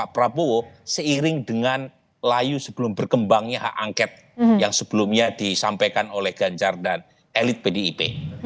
prabowo seiring dengan layu sebelum berkembangnya hak angket yang sebelumnya disampaikan oleh ganjar dan elit pdip